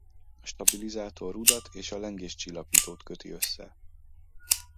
A stabilizátor rudat és a lengéscsillapítót köti össze.